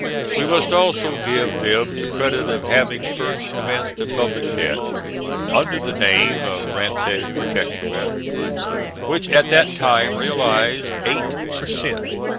We must also give them the credit of having first commenced a public debt, under the name of rentes perpetuelles, which at that time realised eight per cent.